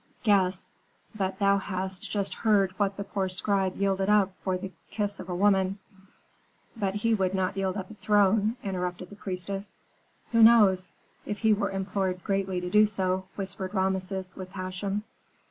"Guess. But thou hast just heard what the poor scribe yielded up for the kiss of a woman " "But he would not yield up a throne," interrupted the priestess. "Who knows? if he were implored greatly to do so," whispered Rameses, with passion.